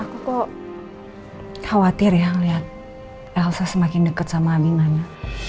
aku kok khawatir ya ngeliat elsa semakin deket sama abi mana